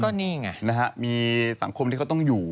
ก็นี่ไงนะฮะมีสังคมที่เขาต้องอยู่